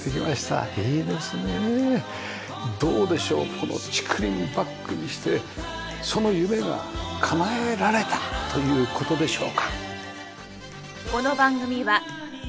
この竹林をバックにしてその夢がかなえられたという事でしょうか？